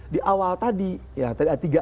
di awal tadi ya tadi ada tiga